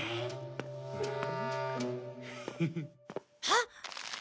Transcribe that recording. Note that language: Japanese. あっ！